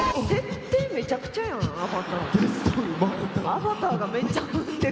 アバターがめっちゃ生んでる。